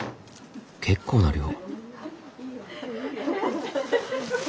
結構な量。